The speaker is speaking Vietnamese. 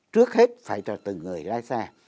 trước hết phải là từ người lái xe